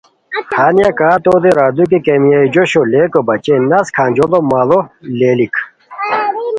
ہانیہ کا توتے راردو کی کیمیا جوشو لیکو بچین نست کھانجوڑو ماڑو لیلیک